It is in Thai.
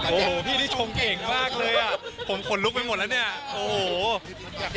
โอ้โฮพี่ที่ชมเก่งมากเลยผมขนลุกไปหมดแล้วเนี่ย